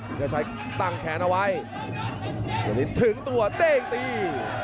อินทราชัยตั้งแขนเอาไว้สุริสถึงตัวเต้งตี